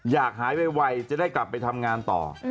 อยากหายไวจะได้กลับไปทำงานต่อ